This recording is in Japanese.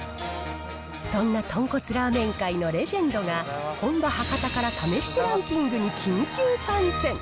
そんな豚骨ラーメン界のレジェンドが、本場、博多から試してランキングに緊急参戦。